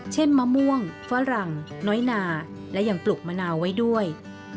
เช่นมะม่วงฟ้าหลั่งน้อยนาและยังปลุกมะนาวไว้ด้วย